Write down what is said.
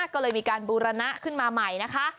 ก็เลยมีการบูรณะขึ้นมาใหม่นะคะ